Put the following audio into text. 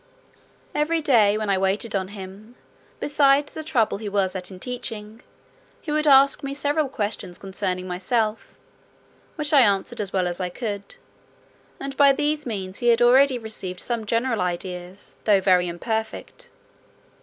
Every day, when I waited on him, beside the trouble he was at in teaching, he would ask me several questions concerning myself, which I answered as well as I could, and by these means he had already received some general ideas, though very imperfect.